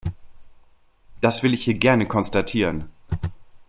Das will ich hier gerne konstatieren.